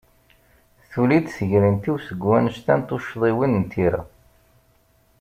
Tuli-d tegrint-iw seg wanect-a n tucḍiwin n tira.